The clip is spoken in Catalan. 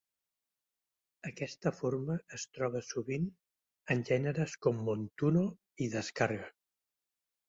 Aquesta forma es troba sovint en gèneres com "montuno" i "descarga".